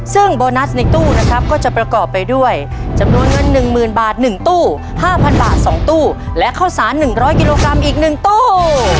ซึ่งโบนัสในตู้นะครับก็จะประกอบไปด้วยจำนวนเงิน๑๐๐๐บาท๑ตู้๕๐๐บาท๒ตู้และข้าวสาร๑๐๐กิโลกรัมอีก๑ตู้